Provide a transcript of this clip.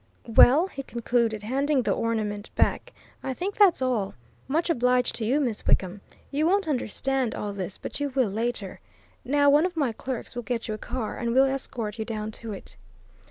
Well," he concluded, handing the ornament back, "I think that's all. Much obliged to you, Miss Wickham. You won't understand all this, but you will, later. Now, one of my clerks will get you a car, and we'll escort you down to it."